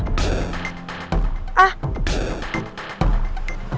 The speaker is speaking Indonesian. gak ada apa apa